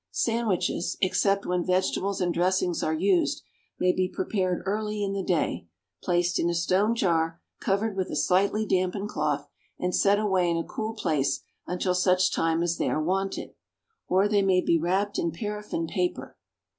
Sandwiches, except when vegetables and dressings are used, may be prepared early in the day, placed in a stone jar, covered with a slightly dampened cloth, and set away in a cool place until such time as they are wanted. Or, they may be wrapped in paraffine paper.